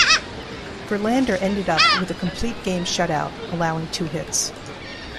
Verlander ended up with a complete game shutout allowing two hits.